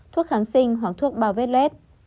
thuốc kháng sinh hoặc thuốc bao vết lết